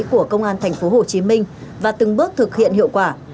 của công an tp hcm và từng bước thực hiện hiệu quả